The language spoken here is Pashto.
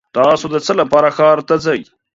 تاسو د څه لپاره ښار ته ځئ؟